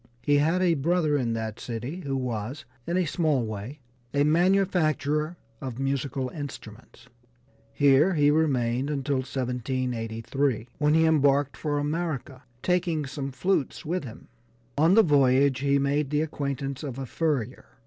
He had a brother in that city who was, in a small way, a manufacturer of musical instruments. Here he remained until 1783, when he embarked for America, taking some flutes with him. On the voyage he made the acquaintance of a furrier.